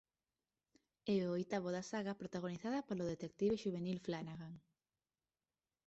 É o oitavo da saga protagonizada polo detective xuvenil Flanagan.